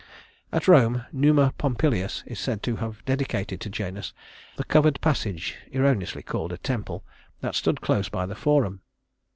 At Rome Numa Pompilius is said to have dedicated to Janus the covered passage erroneously called a temple that stood close by the Forum.